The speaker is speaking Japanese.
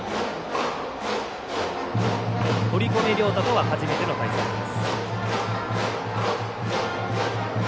堀米涼太とは初めての対戦です。